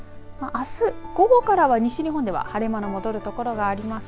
あす午後からは西日本では晴れ間の戻る所があります。